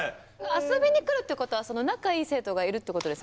遊びに来るっていうことは仲いい生徒がいるっていうことですよね。